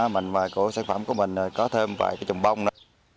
mình và sản phẩm của mình có thêm vài cái chùm bông nữa